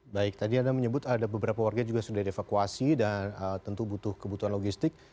baik tadi anda menyebut ada beberapa warga juga sudah dievakuasi dan tentu butuh kebutuhan logistik